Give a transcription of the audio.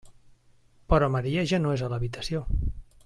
Però Maria ja no és a l'habitació.